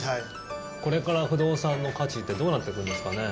これから不動産の価値ってどうなってくんですかね？